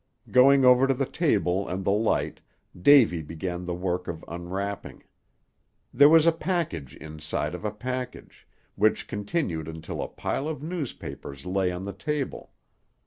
Going over to the table and the light, Davy began the work of unwrapping. There was a package inside of a package, which continued until a pile of newspapers lay on the table.